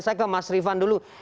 saya ke mas rifan dulu